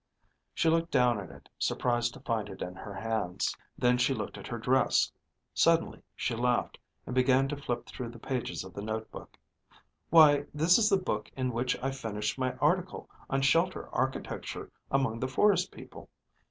She looked down at it, surprised to find it in her hands. Then she looked at her dress. Suddenly she laughed, and began to flip through the pages of the notebook. "Why, this is the book in which I finished my article on shelter architecture among the forest people.